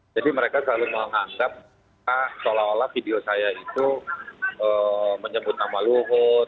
jadi mereka selalu menganggap seolah olah video saya itu menyebut nama luhut